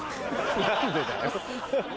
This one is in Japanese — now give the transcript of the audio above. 何でだよ。